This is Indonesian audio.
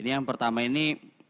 yang pertama ini